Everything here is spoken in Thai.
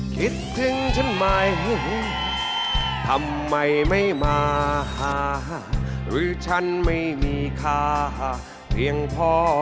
คิดถึงฉันไหมทำไมไม่มาหาหรือฉันไม่มีค่าเพียงพอ